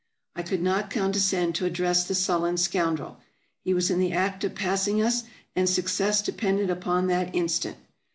I could not condescend to address the sullen scoundrel. He was in the act of passing us, and success depended upon that instant.